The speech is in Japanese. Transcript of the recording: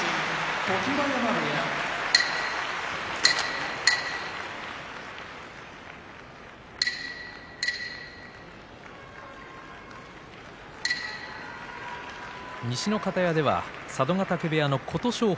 常盤山部屋西の方屋では佐渡ヶ嶽部屋の琴勝峰